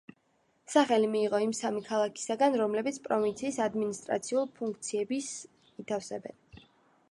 სახელი მიიღო იმ სამი ქალაქისგან, რომლებიც პროვინციის ადმინისტრაციულ ფუნქციების ითავსებენ.